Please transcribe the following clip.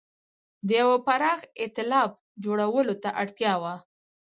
د یوه پراخ اېتلاف جوړولو ته اړتیا وه.